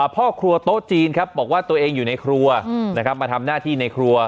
พ่อครัวโต๊ะจีนครับบอกว่าตัวเองอยู่ในครัวมาทำหน้าที่ในครัว